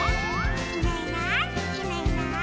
「いないいないいないいない」